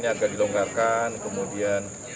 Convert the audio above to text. nyarga dilonggarkan kemudian